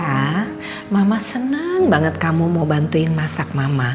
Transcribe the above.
sa mama seneng banget kamu mau bantuin masak mama